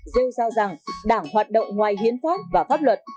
nêu ra rằng đảng hoạt động ngoài hiến pháp và pháp luật